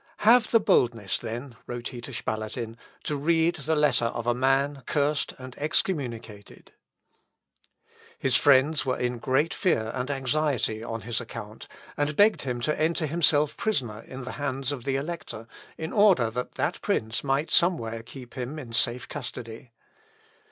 "Have the boldness, then," wrote he to Spalatin, "to read the letter of a man cursed and excommunicated." "Quia Deus ubique." (Luth. Ep. i, p. 188.) His friends were in great fear and anxiety on his account, and begged him to enter himself prisoner in the hands of the Elector, in order that that prince might somewhere keep him in safe custody.